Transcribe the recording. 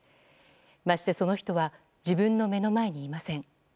まして、その人は自分の目の前にいません。